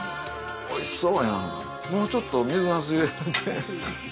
おいしそうやんもうちょっと水なす入れといて。